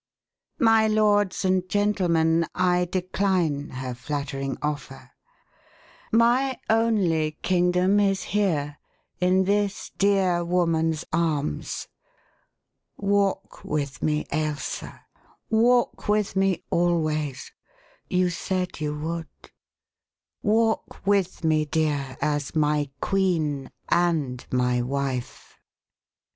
My lords and gentlemen, I decline her flattering offer. My only kingdom is here in this dear woman's arms. Walk with me, Ailsa walk with me always. You said you would. Walk with me, dear, as my queen and my wife."